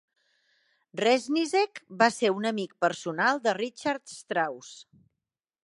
Reznicek va ser un amic personal de Richard Strauss.